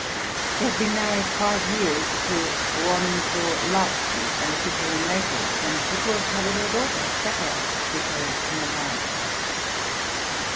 She had been married five years to Buonsolazzi, an official in Naples, {THE ITALIAN TOUR.} (142) and she brought her little daughter Sepperl with her to Milan.